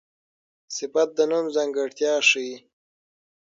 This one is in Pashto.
صفت د نوم ځانګړتیا ښيي.